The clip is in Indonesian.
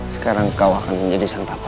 sekarang kau akan menjadi santapan